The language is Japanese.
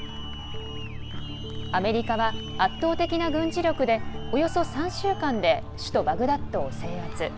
アメリカは圧倒的な軍事力でおよそ３週間で首都バグダッドを制圧。